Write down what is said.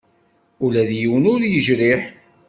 Ula d yiwen ur yejriḥ.